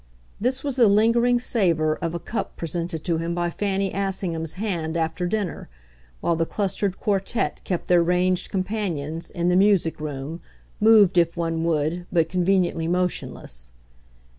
This was the lingering savour of a cup presented to him by Fanny Assingham's hand after dinner, while the clustered quartette kept their ranged companions, in the music room, moved if one would, but conveniently motionless.